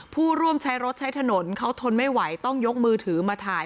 ผู้ร่วมใช้รถใช้ถนนเขาทนไม่ไหวต้องยกมือถือมาถ่าย